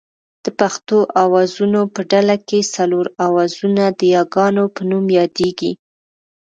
د پښتو آوازونو په ډله کې څلور آوازونه د یاګانو په نوم یادېږي